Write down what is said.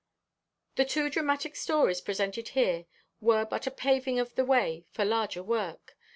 The two dramatic stories presented here were but a paving of the way for larger work.